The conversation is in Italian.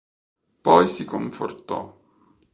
Poi si confortò.